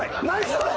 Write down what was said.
それ！